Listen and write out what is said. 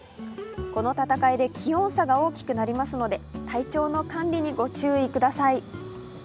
この戦いで気温差が大きくなりますので、体調の管理にご注意ください。